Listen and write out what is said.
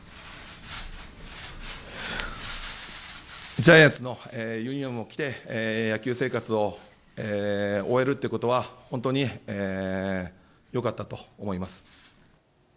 ジャイアンツのユニホームを着て、野球生活を終えるっていうことは本当によかったと思います。